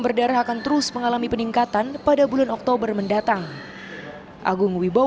berdarah akan terus mengalami peningkatan pada bulan oktober mendatang